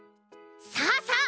さあさあ